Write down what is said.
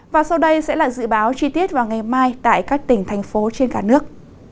và sau đây sẽ là dự báo chi tiết vào ngày mai tại các tỉnh thành phố trên cả nước